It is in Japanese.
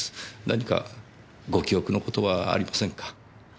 何かご記憶の事はありませんか？